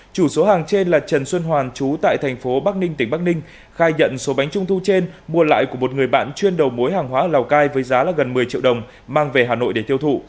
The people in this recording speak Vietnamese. chủ số hàng trên là trần xuân hoàn chú tại thành phố bắc ninh tỉnh bắc ninh khai nhận số bánh trung thu trên mua lại của một người bạn chuyên đầu mối hàng hóa ở lào cai với giá gần một mươi triệu đồng mang về hà nội để tiêu thụ